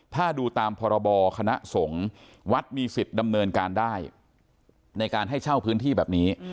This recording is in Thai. ถ้าดูตามพรบคณะสงฆ์วัดมีสิทธิ์ดำเนินการได้ในการให้เช่าพื้นที่แบบนี้